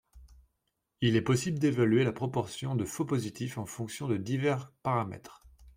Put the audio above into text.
Il est possible d'évaluer la proportion de faux-positifs en fonction de divers paramètres.